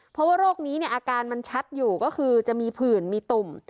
เพราะว่าโรคนี้อาการมันชัดอยู่ก็คือจะมีผื่นมีตุ่ม